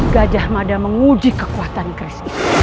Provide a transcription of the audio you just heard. gajah mada menguji kekuatan krisis